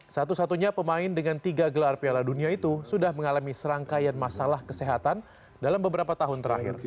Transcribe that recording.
satu satunya pemain dengan tiga gelar piala dunia itu sudah mengalami serangkaian masalah kesehatan dalam beberapa tahun terakhir